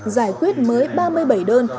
giải quyết mới ba mươi bảy đơn